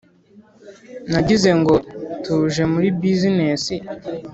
nagize ngo tuje muri business?